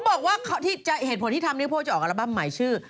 บอกว่าเหตุผลที่ทำลิโพจะออกอัลบั้มหมายชื่อ